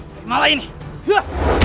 aku harus menolongnya